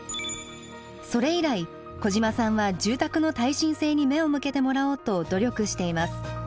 それ以来小島さんは住宅の耐震性に目を向けてもらおうと努力しています。